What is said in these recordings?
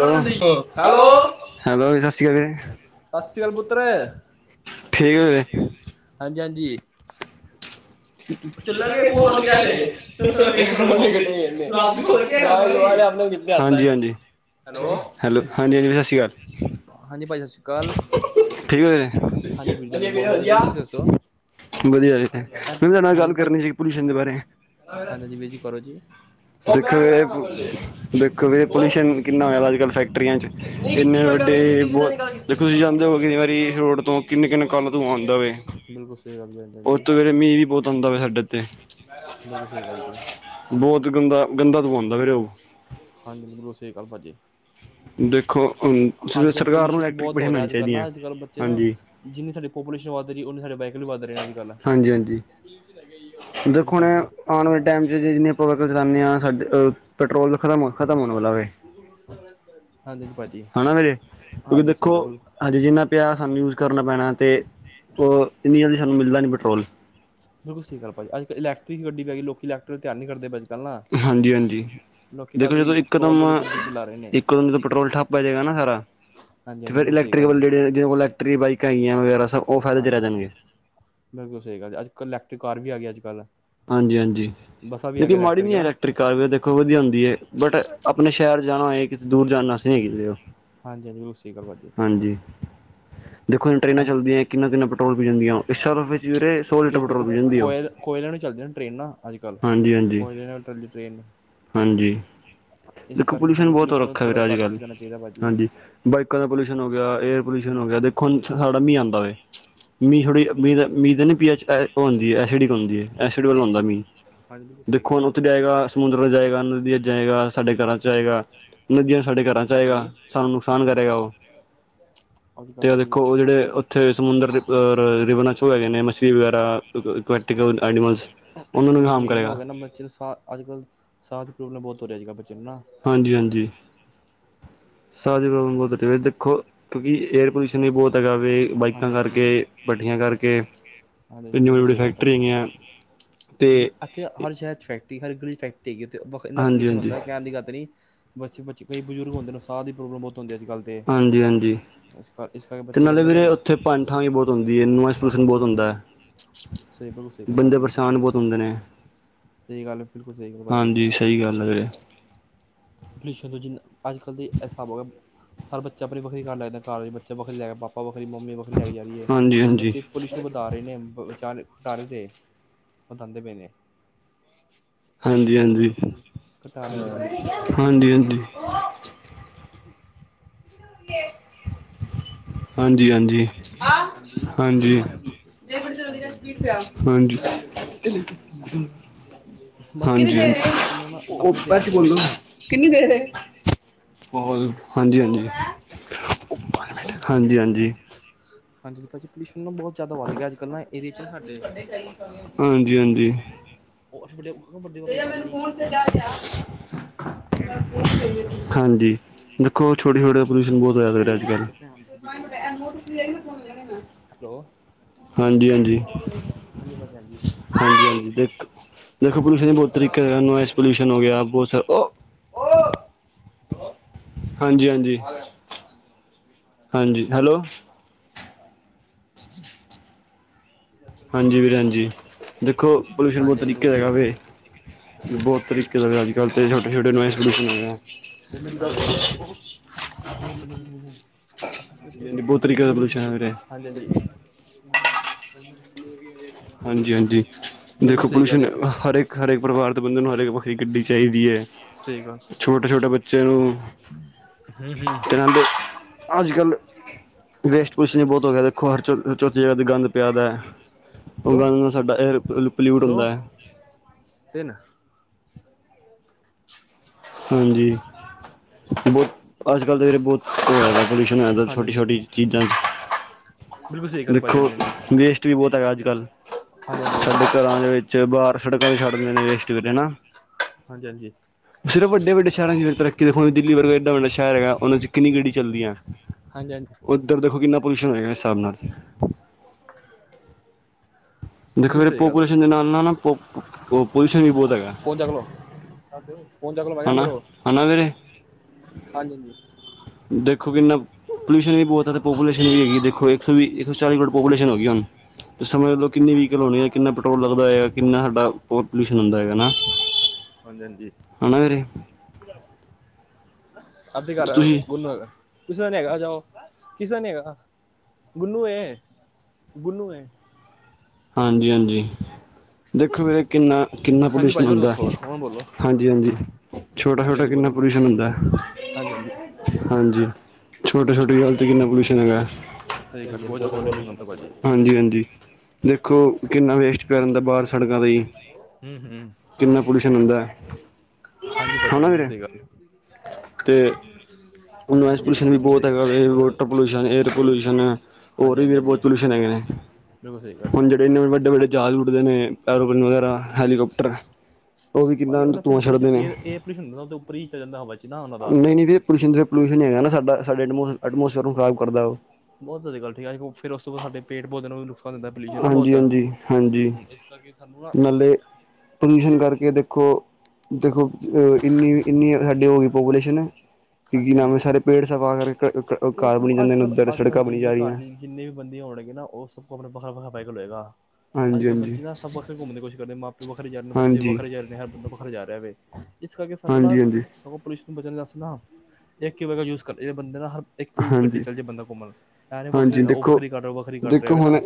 Hello ਸਤਿ ਸ਼੍ਰੀ ਅਕਾਲ ਜੀ। [unintelligible] [unintelligible] ਹਾਂਜੀ-ਹਾਂਜੀ। ਹੈਲੋ ਹਾਂਜੀ ਨਾ ਜੀ ਸਤ ਸ਼੍ਰੀ ਕੱਲ ਹਾਂਜੀ ਵੀਰ ਜੀ ਬੋਤ ਵਧੀਆ ਜੀ ਤੁਸੀਂ ਦੱਸੋ? ਵਧੀਆ ਕਰਨੀ ਸੀਗੀ ਪੁਲੂਊਸ਼ਨ ਦੇ ਬਾਰੇ ਦੇਖੋ ਜ ਦੇਖੋ ਜ ਪਲਊਸ਼ਨ ਕਿੰਨਾ ਹੋਇਆ ਅੱਜ ਕੱਲ੍ਹ ਫੈਕਟਰੀਆਂ 'ਚ ਇੰਨੇ ਵੱਡੇ ਬ ਦੇਖੋ ਤੁਸੀਂ ਜਾਂਦੇ ਹੋ ਕਿੰਨੀ ਵਾਰੀ ਰੋਡ ਤੋਂ ਕਿੰਨੇ-ਕਿੰਨੇ ਕਾਲਾ ਧੂਆਂ ਆਂਦਾ ਵੇ ਬਿਲਕੁੱਲ ਸਈ ਗੱਲ ਏ- ਦਾ ਸਾਡੇ ਏਤੇ ਬੋਤ ਗੰਦਾ-ਗੰਦਾ ਧੂਆਂ ਹੁੰਦਾ ਵੀਰੇ ਓ- ਹਾਂਜੀ ਬਿਲਕੁੱਲ ਸਈ ਗੱਲ ਪਾਜੀ- [inaudible] ਦੇਖੋ ਹੁਣ ਸਰਕਾਰ ਨੂੰ ਇਲੈਕਟ੍ਰਿਕ [unintelligible] ਚਾਹੀਦੀਆਂ, ਹਾਂਜੀ। ਵੱਧ ਰਰੀ, ਉਨੇਂ ਸਾਡੇ ਬਾਈਕਲ ਵੀ ਵੱਧ ਰਹੇ ਨੇ ਅੱਜ ਕੱਲ। ਦੇਖੋ ਹੁਣ ਏਹ ਆਣ ਵਾਲੇ ਟੈਮ ਚ ਜਿਨੇ ਆਪਾਂ ਵਿਕਲ ਚਲਾਨੇ ਆ, ਸਾਡੇ ਪੈਟਰੋਲ ਖਤਮ, ਖਤਮ ਹੋਣ ਵਾਲਾ ਵੇ। ਹਾਂ ਹਨਾ ਵੀਰੇ, ਕਿਉਂਕਿ ਦੇਖੋ ਹਜੇ ਜਿੰਨਾ ਪਿਆ ਸਾਨੂੰ ਯੂਜ ਕਰਨਾ ਪੈਣਾ ਤੇ ਓ ਇੰਨੀ ਜਲਦੀ ਸਾਨੂੰ ਮਿਲਦਾ ਨੀ ਪੈਟਰੋਲ। ਬਿਲਕੁੱਲ ਸਈ ਗੱਲ ਭਾਜੀ, ਅੱੱਲ ਇਲੈਕੱਟ੍ਰਿਕ ਗੱਡੀ ਵੀ ਆ ਗਈ। ਲੋਕੀ ਇਲੈਕਟ੍ਰਿਕ ਤਿਆਨ ਨੀ ਕਰਦੇ ਭਾਜੀ। ਹਾਂਜੀ-ਹਾਂਜੀ। ਦੇਖੋ ਜਦੋਂ ਇੱਕਦਮ, ਇੱਕੋਦਮ ਜਦੋਂ ਪੈਟਰੋਲ ਠੱਪ ਪੈ ਜੈਗਾ ਨਾ ਸਾਰਾ ਤੇ ਫਿਰ ਇਲਿਕਟ੍ਰਿਬਲ ਜੇੜ੍ਹੇ, ਜਿਨਾ ਕੋਲ ਇਲੈਕਟ੍ਰਿ ਬਾਈਕਾਂ ਹੈਗੀਆਂ ਵਗੈਰਾ ਸਬ, ਓਹ ਫਾਇਦੇ ਚ ਰਹੇ ਜਾਣਗੇ? ਬਿਲਕੁੱਲ ਸਈ ਗੱਲ, ਅੱਜ ਕੱਲ ਇਲੈਕਟ੍ਰਿਕ ਕਾਰ ਵੀ ਆਗੀ ਅਜ ਕੱਲ੍ਹ। ਹਾਂਜੀ-ਹਾਂਜੀ, ਲੇਕੀਨ ਮਾੜੀ ਨੀ ਐ ਇਲੈਕਟ੍ਰਿਕ ਕਾਰ ਵੀ, ਦੇਖੋ ਵਧੀਆ ਹੁੰਦੀ ਐ। ਬਟ ਆਪਣੇ ਸ਼ਹਿਰ ਜਾਣਾ ਹੋਏ, ਕਿਤੇ ਦੂਰ ਜਾਣਾ ਆਸਤੇ ਨੀ ਹੈਗੀ ਵੀਰੇ ਓ। ਹਾਂਜੀ-ਹਾਂਜੀ, ਬਿਲਕੁਕ ਸਹੀ ਗੱਲ ਭਾਜੀ। ਦੇਖੋ ਹੁਣ ਟਰੇਨਾਂ ਚੱਲਦੀਆਂ, ਕਿੰਨਾ-ਕਿੰਨਾ ਪੈਟਰੋਲ ਪੀ ਜਾਂਦੀਆਂ [unintelligible] ਵਿੱਚ ਵੀਰੇ ਸੌ ਲੀਟਰ ਪੈਟਰੋਲ ਪੀ ਜਾਂਦੀ ਓ। ਅੱਜ ਕੱਲ ਦੀਆਂ ਟਰੇੇਨਾਂ ਅੱਜ ਕੱਲ, ਕੋਇਲੇ ਨਾਲ ਟਲੀ ਟਰੇੇਨ ਦੇਖੋ ਪੋਲਿਊਸ਼ਨ ਬਹੁਤ ਰਖਾ ਵੀਰ ਅੱਜ ਕੱਲ ਔਖਾ ਹਾਂਜੀ ਬਾਈਕਾਂ ਦਾ ਪੋਲਿਊਸ਼ਨ ਹੋ ਗਿਆ ਏਅਰ ਪੋਲੂਸ਼ਨ ਮਿਸ਼ਨ ਹੋ ਗਿਆ, ਦੇਖੋ ਹੁਣ ਸਾਡਾ ਮੀਂਹ ਆਂਦਾ ਵੇ, ਮੀਂਹ ਥੋੜੀ ਮੀਹ ਦਾ ਮੀਹ ਦਾ ਨਾ ਪੀ ਐਚ ਉਹ ਹੁੰਦੀ ਹ ਐਸਡਿਕ ਹੁੰਦੀ ਏ। ਐਸਿਡ ਵਾਲਾ ਹੁੰਦਾ ਮੀਹ, ਦੇਖੋ ਹੁਣ ਉੱਥੇ ਜਾਏਗਾ, ਸਮੁੰਦਰ ਵੱਲ ਜਾਏਗਾ ਜਏਗਾ, ਸਾਡੇ ਘਰਾਂ ਚ ਆਏਗਾ, ਉਹਨਾਂ ਦੀਆਂ ਸਾਡੇ ਘਰਾਂ ਚ ਆਏਗਾ, ਸਾਨੂੰ ਨੁਕਸਾਨ ਕਰੇਗਾ ਉਹ, ਤੇ ਉਹ ਦੇਖੋ ਉਹ ਜਿਹੜੇ ਉੱਥੇ ਸਮੁੰਦਰ ਦੇ ਅ ਰ ਰਿਵਰ ਚ ਹੋਹੈਗੇ ਨੇ, ਮਛਲੀ ਵਗੈਰਾ [unintelligible] ਪੋਲਿਊਸ਼ਨ ਇੰਨਾ ਹੋ ਗਿਆ ਨਾ, ਬੱਚੇ ਨੂੰ ਸਾਹ, ਅੱਜ ਕੱਲ੍ਹ ਸਾਹ ਦੀ ਪ੍ਰੋਬਲਮ ਬਹੁਤ ਹੋ ਰਹੀ ਅੱਜ ਕੱਲ੍ਹ ਹਾਂਜੀ-ਹਾਂਜੀ। ਸਾਹ ਦੀ ਪ੍ਰੋਬਲਮ ਬਹੁਤ ਹ ਇਥੇ, ਦੇਖੋ ਕਿਉਂਕਿ ਏਅਰ ਪੋਲਿਊਸ਼ਨ ਵੀ ਬਹੁਤ ਹੈਗਾ। ਵੇ ਬਾਈਕਾਂ ਕਰਕੇ, ਪੱਠੀਆਂ ਕਰਕੇ, ਇੰਨੀ ਵੱਡੀ-ਵੱਡੀ ਫੈਕਟਰੀ ਹੈਗੀਆਂ। ਇੱਥੇ ਹਰ ਸ਼ਹਿਰ ਚ ਫੈਕਟਰੀ, ਹਰ ਇੱਕ ਗਲੀ ਚ ਫੈਕਰੀ ਹੈਗੀ ਉੱਥੇ, ਇੰਨਾ ਪੋਲਿਊਸ਼ਨ ਹੁੰਦਾ, ਕਹਿਣ ਦੀ ਗੱਲ ਤੇ ਨਹੀ ਬਚ ਬਚੇ, ਕਈ ਬਜ਼ੁਰਗ ਹੁੰਦੇ ਨੇ, ਸਾਹ ਦੀ ਪ੍ਰੋਗਰਾਮ ਬਹੁ ਧੁੰਧ ਏ ਅੱਜ ਕੱਲ ਤੇ, ਇਸ ਕਰ, ਇਸ ਕਰਕੇ ਬੱਚੇ ਕਹਿੰਦੇ ਨੇ ਉੱਥੇ ਭਣ ਠਾ ਵੀ ਬਹੁਤ ਹੁੰਦੀ ਹੈ, ਨੂਆਪੋਲਿਊਸ਼ਨ ਬਹੁਤ ਹੁੰਦਾ ਹੈ। ਸਹੀ ਬਿਲਕੁਲ ਸਹੀ ਗੱਲ ਭਾਜੀ, ਬਿਲਕੁਲ ਸਹੀ ਗੱਲ। ਸਹੀ ਗੱਲ ਹੈ, ਬਿਲਕੁਲ ਸਹੀ ਗੱਲ ਭਾਜੀ। ਪੋਲਿਊਸ਼ਨ ਤੋਂ ਜਿੰਨਾ, ਅੱਜ ਕੱਲ੍ਹ ਤੇ ਏਹ ਸਬ ਹੋ ਹਰ ਬੱਚਾ ਆਪਣੀ ਵੱਖਰੀ ਕਾਰ ਲੈ ਜਾਂਦਾ, ਘਰ ਵਿੱਚ ਬੱਚਾ ਵੱਖਰੀ ਲੈ ਗਿਆ, ਪਾਪਾ ਵੱਖ ਓਹਦੀ ਮੰਮੀ ਵੱਖਰੀ ਲੈ ਕੇ ਜਾ ਰਹੀ ਹੈ, ਬੱਚੇ ਪੋਲੀਓਸ਼ਨ ਵਧਾ ਰਹੇ ਨੇ, ਵਿਚਾਰੇ ਘਟਾ ਨਹੀਂ ਰਹੇ, ਵਧਾਂਦੇ ਬਏ ਨੇ। ਹਾਂਜੀ-ਹਾਂਜੀ, ਹਾਂਜੀ-ਹਾਂਜੀ। ਏ। ਹਾਂਜੀ-ਹਾਂਜੀ, ਹਾਂਜੀ। ਹਾਂਜੀ-ਹਾਂਜੀ। ਹਾਂਜੀ-ਹਾਂਜੀ, ਉਹ ਅ ਪਚ ਬੋਲੋ, ਕਿੰਨੀ ਦੇਰ ਏ? ਹੋਰ, ਹਾਂਜੀ-ਹਾਂਜੀ, ਹਾਂਜੀ-ਹਾਂਜੀ। ਹਾਂਜੀ ਭਾਜੀ ਪੋਲਿਊਸ਼ਨ ਨਾ ਬਹੁਤ ਜਿਆਦਾ ਵਧ ਗਿਆ ਅੱਜ ਕੱਲ੍ਹ ਨਾ ਹਾਂਜੀ-ਹਾਂਜੀ। ਉਹੱ ਵੱਡੇ, ਉਹ ਵੱਡੇ ਹੋ ਕੇ ਹੀ ਬਾਹਰ ਜਾਈ। ਹਾਂਜੀ। [unintelligible] ਹੈਲੋ, ਹਾਂਜੀ-ਹਾਂਜੀ-ਹਾਂਜੀ-ਹਾਂਜੀ ਦੇ ਦੇਖੋ ਪੋਲਿਊਸ਼ਨ ਬਹੁਤ ਤਰੀਕੇ ਨਇਜ਼ ਪੋਲਿਊਸ਼ਨ ਹੋ ਗਿਆ ਬਹੁਤ ਸ ਹਾਂਜੀ-ਹਾਂਜੀ, ਹਾਂਜੀ ਹੈਲੋ, ਹਾਂਜੀ ਵੀਰ ਹਾਂਜੀ ਦੇਖੋ ਪੋਲਿਊਸ਼ਨ ਬਹੁਤ ਤਰੀਕੇ ਹੈਗਾ ਵੇ, ਬਹੁਤ ਤਰੀਕੇ ਦਾ ਅੱਜ-ਕੱਲ੍ਹ ਛੋਟੇ-ਛੋਟੇ ਨੂੰ ਸੋਲ ਆ, ਉਮਨ ਆਪਣੇ ਪੈਰਤੇ ਤੁੰ ਹਾਂਜੀ-ਹਾਂਜੀ, ਹਾਂਜੀ-ਹਾਂਜੀ ਦੇਖੋ ਪੋਲਿਊਸ਼ਨ ਹਰਕ ਹਰੇਕ ਪਰਿਵਾਰ ਦੇ ਬੰਦੇ ਨੂੰ ਹਰੇਕ ਵੱਖਰੀ ਗੱਡੀ ਚਾਹੀਦੀ ਹੈ। ਛੋਟੇ-ਛੋਟੇ ਬੱਚਿਆਂ ਨੂੰ, ਤੇ ਨਾਲੇ ਅੱਜ-ਕੱਲ ਵੈਸਟ ਕੁਛ ਨਹੀਂ, ਬਹੁਤ ਹੋ ਗਿਆ ਦੇਖੋ ਹਰ ਚ ਚੌਥੀ ਜਗ੍ਹਾ ਤੇ ਗੰਦ ਪਿਆਦਾ ਹੈ ਉਹ ਗੰਦ ਸਾਡਾ, ਦੋ ਤਿੰਨ, ਹਾਂਜੀ ਬਹੁਤ ਅੱਜ-ਕੱਲ ਤਾਂ ਫਰੇ ਬਹੁਤ ਉਹ ਪਲਿਊਸ਼ਨ ਛੋਟੀ-ਛੋਟੀ ਚੀਜ਼ਾਂ ਚ, ਦੇਖੋ ਵੇਸਟ ਵੀ ਬਹੁਤ ਆ ਅੱਜ-ਕੱਲ੍ਹ ਸਾਡੇ ਘਰਾਂ ਦੇ ਵਿੱਚ ਬਾਹਰ ਸੜਕਾਂ ਤੇ ਛੱਡ ਦੇ ਨੇ ਵੇਸਟ ਕਰੇ ਨਾ। ਹਾਂਜੀ-ਹਾਂਜੀ। ਸਿਰਫ਼ ਵੱਡੇ-ਵੱਡੇ ਸ਼ਹਿਰਾਂ ਚ, ਤਰੱਕੀ ਦੇਖੋ, ਹੁਣ ਦਿੱਲੀ ਵਰਗੇ ਏਡਾ ਵਡਾ ਸ਼ਹਿਰ ਹੈਗਾ, ਉਹਨਾਂ ਚ ਕਿੰਨੀ ਗੱਡੀ ਚੱਲਦੀ ਹੈ। ਉੱਧਰ ਦੇਖੋ, ਕਿੰਨਾ ਪੋਲਿਊਸ਼ਨ ਹੋਏਗਾ ਹਿਸਾਬ ਨਾਲ। ਦੇਖੋ ਫਪੂਲੇ ਦੇ ਨਾਲੋ ਵੀ ਬਹੁਤ ਹੈਗਾ। ਫੋਨ ਚੱਕਲ ਮੈ ਗਿਆ, ਮਰੇ ਹਾਂਜੀ-ਹਾਂਜੀ। ਦੇਖੋ ਕਿੰਨਾ ਪੋਲਿਊਸ਼ਨ ਵੀ ਬਹੁਤ ਹੈ, ਪਾਪੂਲੇਸ਼ਨ ਵੀ ਹੈਗੀ ਐ ਇਕ ਸੌ ਸੌ ਚਾਲੀ ਕਰੋੜ ਪਾਪੂਲੇਸ਼ਨ ਹੋ ਗਈ ਹੁਣ। ਤੇ ਸਮਝ ਲੋ ਕਿੰਨੀ ਵੀਕਲ ਹੋਣੀ ਹੈ, ਕਿਨਾ ਪੈਟਰੋਲ ਲੱਗਦਾ, ਹੈਗਾ ਕਿੰਨਾ ਸਾਡਾ ਪੋਲਿਸ਼ਨ ਹੁੰਦਾ ਹੈਗਾਾ। ਆਣਾ ਘਰੇ। ਅੱਧਿਕਾਰ ਉਹਨੂੰ ਹੈਗਾ ਕਿਸ ਦਾ ਨੀ ਹੈਗਾ ਜਾਂ ਉਹ ਕਿਸਰ ਨੇਗਾ ਗੁੰਨੂ ਹੈ ਗੁੰਨੂ ਹੈ। ਹਾਂਜੀ-ਹਾਂਜੀ ਦੇਖੋ ਵੀਰੇ ਕਿੰਨਾ ਕਿੰਨਾ ਪੋਲਿਊਸ਼ਨ ਹੁੰਦਾ ਹਾਂਜੀ-ਹਾਂਜੀ। ਛੋਟਾ-ਛੋਟਾ ਕਿੰਨਾ ਪੋਲਿਊਸ਼ਨ ਹੁੰਦਾ ਹਾਂਜੀ। ਛੋਟੇ-ਛੋਟੇ ਜ ਹਾਲ 'ਚ ਕਿੰਨਾ ਪੋਲਿਊਸ਼ਨ ਹੈਗਾ। ਹਾਂਜੀ-ਹਾਂਜੀ, ਦੇਖੋ ਕਿੰਨਾ ਵੇਸਟ ਪਿੰਡਾ ਬਾਹਰ ਸੜਕਾਂ ਤੇ ਹੀ ਹੂੰ, ਹਾਂਜੀ ਭਾਜੀ ਸਹੀ ਗੱਲ। ਤੇ, ਨੋਇਜ਼ ਪੋਲਿਊਸ਼ਨ ਵੀ ਬਹੁਤ ਹੈਗਾ, ਵਾਟਰ ਪੋਲਿਊਸ਼ਨ, ਏਅਰ ਪੋਲਿਊਸ਼ਨ ਹੋਰ ਵੀ ਬਹੁਤ ਪੋਲਿਊਸ਼ਨ ਹੈਗੇ ਨੇ ਹੁਣ ਜਿਹੜੇ ਇੰਨੇ ਵੱਡੇ-ਵੱਡੇ ਜਹਾਜ਼ ਉੱਡਦੇ ਨੇ ਪੈਰ, ਹੈਲੀਕੋਪਟਰ ਭਾਜੀ ਉਹ ਫਿਰ ਪੋਲਿਊਸ਼ਨ ਏਅਰ ਪੋਲਿਊਸ਼ਨ ਹੁੰ ਉੱਪਰ ਹੀ ਚੱਲ ਜਾਂਦਾ ਵ ਚੀ ਨਾ ਉਹਨਾਂ ਦਾ, ਨਾ ਸਾਡਾ ਸਾਡਾ ਐਟਮੋਸਫੇਅਰ ਨੂੰ ਖਰਾਬ ਕਰਦਾ ਉਹ, ਬਹੁਤ ਵਧੀਆ ਠੀਕ ਹੈ ਫੇਰ ਉਸ ਤੋਂ ਬਾਅ ਸਾਡੇ ਪਹੁਤ ਨੂੰ ਦਾ ਪੋਲਿਊਸ਼ਨ ਨਾ ਬਹੁਤ ਹੂੰ, ਇਸ ਕਰਕੇ ਸਾਨੂੰ ਨਾ ਪਲਿਉਸ਼ਨ ਕਰਕੇ ਦੇਖੋ। ਦੇਖੋ ਇਨੀ-ਇਨੀ ਸਾਡੀ ਹੋ ਗਈ, ਪਾਪੂਲੇਸ਼ਨ ਕਿਉਕਿ ਨਵੇਂ ਸਾਰੇ ਪੇੜ ਸਫਾ ਕਰ ਘਰ ਬਣੀ ਜਾਂਦੇ, ਉੱਧਰ ਸੜਕਾਂ ਬਣੀ ਜਾ ਰਹੀਆਂ। ਨਾ ਉਹ ਸਭ ਕੋ ਆਪਣਾ ਵੱਖਰਾ-ਵੱਖਰਾ ਪੈ ਕੇ ਲਏਗਾ। ਅੱਜ-ਕੱਲ੍ਹ ਬੱਚੇ ਨਾ ਸਭ ਵੱਖਰੇ ਘੁੰਮ ਦੀ ਕੋਸ਼ ਕਰਦੇ ਮਾਂਪੇ ਵਰੇ ਜਾ ਰਹੇ ਨੇ ਬੱਚੇ ਵੱਖਰੇ ਜਾ ਰਹੇ ਨੇ ਹਰ ਬੰਦਾ ਵੱਖਰਾ ਜਾ ਰਿਹਾ ਵੇ। ਇਸ ਕਰਕੇ ਸਾਨੂੰ ਨਾ ਸਗੋਂ ਪਲ ਨੂੰ ਬਚਣਾਸ ਨਾ ਇਹ ਯੂਜ ਕਰ ਬੰਦੇ ਆ। ਇੱਕ ਗੱਡੀ ਚੱਲ ਜਾੇ ਬੰਦਾ ਘੁੰਮਣ ਐਨ ਵੱਖਰੀ ਉਹ ਵੱਖਰੀ ਕਰਦਾ ਓਹ ਵੱਖਰੀ ਕਰਦਾ ਵੀ ਨਾ।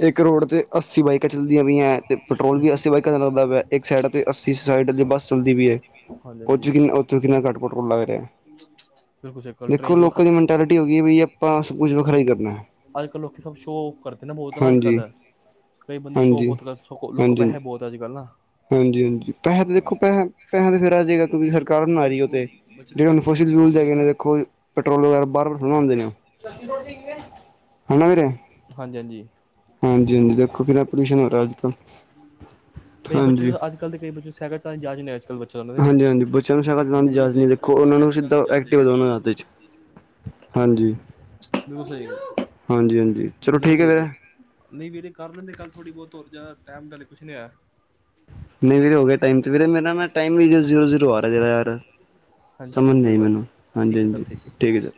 ਬਾਈਕਾਂ ਚਲਦੀਆਂ ਵੀ ਹੈ, ਤੇ ਪੈਟਰੋਲ ਵੀ ਅੱਸੀ ਬਾਈਕਾਂ ਦਾ ਲਗਦਾ ਹੈ। ਇੱਕ ਸਾਈਡ ਅਤੇ ਅੱਸੀ ਸਾਈਡ ਬੱਸ ਚੱਲਦੀ ਵੀ ਹੈ। ਉਹ ਜਿਦੀ ਵਿ ਓਹ ਘਟ ਪੈਟਰੋਲ ਲਗ ਰਿਆ ਹੈ ਫਿਰ ਕੁੇ ਕੱਲ ਟ੍ਰੇਨ ਚ ਵੱਖ ਹੋ ਗਈ। ਵੀ ਆਪਾਂ, ਸਬ ਕੁਛ ਵਖਰੇ ਕਰ ਅੱਜ ਕੱਲ੍ਹ ਲੋਕ ਸਭ ਸ਼ੋਅ ਆਫ ਕਰਦੇ ਨੇ ਬਹੁਤ ਨਾ ਅੱਜ ਕੱਲ। ਕਈ ਬੰਦੇ ਸ਼ੋਕ ਬਹੁਤ ਕਰ, ਲੁੱਕ ਪੈਸੇ ਬਹੁਤ ਅੱਜ ਕੱਲ੍ਹ ਨਾ। ਹਾਂਜੀ ਹਾਂਜੀ! ਪੈਸੇ ਤਾਂ ਦੇਖੋ ਪੈ ਪੈਸੇ ਤੇ ਫੇਿਰ ਆ ਜਾਏਗਾ। ਕਿਉਂਕਿ ਸਰਕਾਰ ਬਨਾ ਰਹੀ ਹੈ ਉਹ ਤੇ ਜਿਹੜੇੂੰ ਫਾਸਿਲ ਫਿਊਲ ਹੈਗੇ ਨੇ ਦੇਖੋ ਪੈਟਰੋਲ ਵਗੈਰਾ ਬਾਹਰੋ ਹੁਨ ਆਂਦੇ ਨੇ ਹਨਾ ਵੀਰੇ। ਹਾਂਜੀ ਹਾਂਜੀ! ਹਾਂਜੀ ਹਾਂਜੀ! ਦੇਖੋ ਕਿਨਾ ਪੋਲਿਊਸ਼ਨ ਹੋ ਰਿਹਾ ਅੱਜ ਕੱਲ ਕਈ ਬੱਚੇ ਨੂੰ ਅੱਜ ਕੱਲ੍ਹ ਦੇ ਕਈ ਬੱਚੇ ਸਹਿਕਲ ਚਲਾ ਜਾ ਜਾਂਦੇ। ਅੱਜ ਕੱਲ ਬਚੇ ਹਾਂਜੀ ਹਾਂਜੀ। ਬੱਚਿਆਂ ਨੂੰ ਸਾਈਕਲ ਚੱਲਣ ਦੀ ਜਾਚ ਨਹੀਂ ਦੇਖੋ ਉਹਨਾਂ ਨੂੰ ਸਿੱਧਾ ਐਕਟਿਵਾ ਦਿਓ ਹਥ ਵਿਚ ਹਾਂਜੀ ਹਾਂਜੀ ਹਾਂਜੀ। ਚਲੋ ਠੀਕ ਹੈ ਵਿਰੇ ਨਹੀਂ ਵੀਰੇ। ਕਰ ਲੈਂਦੇ ਕੱਲ ਥੋੜ੍ਹੀ ਬਹੁਤ ਹੋਰ ਜਾ ਟਾਈਮ ਦਾ ਕੁਛ ਨੀ ਆਇਆ। ਨਹੀਂ ਵੀਰੇ ਹੋ ਗਿਆ ਟਾਈਮ। ਵੀਰੇ ਮੇਰਾ ਨਾ ਟਮ ਵੀ ਜ਼ੀਰੋ ਜ਼ੀਰੋ ਆ ਰਿਹਾ ਯਾਰ ਸਮਝ ਨਹੀਂ ਮੇ। ਹਾਂਜੀ ਹਾਂਜੀ ਠੀਕ ਹੈ